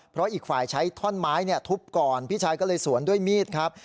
เพราะอีกฝ่ายใช้ท่อนไม้ทุบก่อนพี่ชายก็เลยสวนด้วยมีดครับ